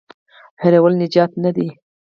هېرول نجات نه دی.